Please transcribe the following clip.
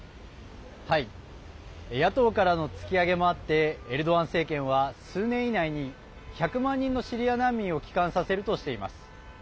野党からの突き上げもあってエルドアン政権は、数年以内に１００万人のシリア難民を帰還させるとしています。